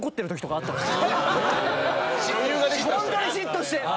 ホントに嫉妬して。